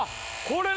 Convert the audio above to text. これ。